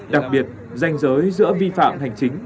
đặc biệt danh giới giữa vi phạm hành chính